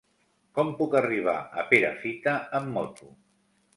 Com puc arribar a Perafita amb moto?